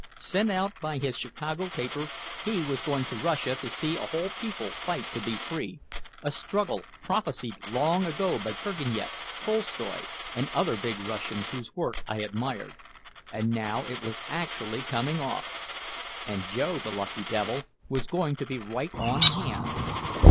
Sent out by his Chicago paper, he was going to Russia to see a whole people fight to be free a struggle prophesied long ago by Turgenief, Tolstoy and other big Russians whose work I admired. And now it was actually coming off and Joe, the lucky devil, was going to be right on hand!